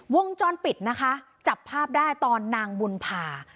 วงจรปิดนะคะจับภาพได้ตอนนางบุญภา